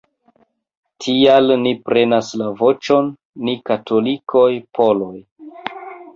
Tial ni prenas la voĉon, ni katolikoj-poloj".